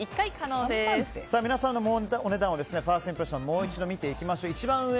皆さんのお値段ファーストインプレッションをもう一度見ていきましょう。